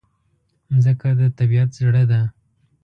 مځکه د طبیعت زړه ده.